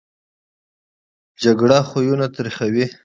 جګړه خویونه تریخوي